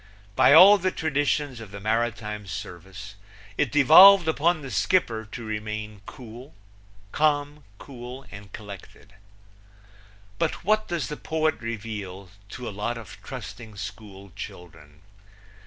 By all the traditions of the maritime service it devolved upon the skipper to remain calm, cool and collected. But what does the poet reveal to a lot of trusting school children?